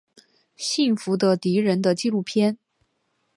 幸福的敌人的纪录片。